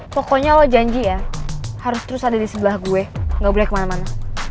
pokoknya lo janji ya harus terus ada di sebelah gue gak boleh kemana mana